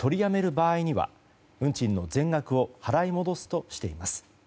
場合には運賃の全額を払い戻すとしています。